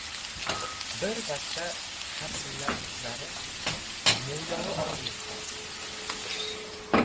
Birpasda harsillab qizarib, mo‘ylovi osilib qoldi.